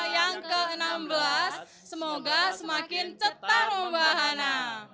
yang ke enam belas semoga semakin cetar pembahana